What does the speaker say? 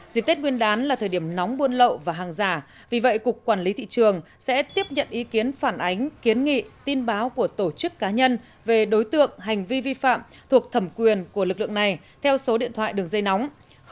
dịp tết nguyên đán là thời điểm nóng buôn lậu và hàng giả vì vậy cục quản lý thị trường sẽ tiếp nhận ý kiến phản ánh kiến nghị tin báo của tổ chức cá nhân về đối tượng hành vi vi phạm thuộc thẩm quyền của lực lượng này theo số điện thoại đường dây nóng chín trăm bốn mươi năm một trăm ba mươi một chín trăm một mươi một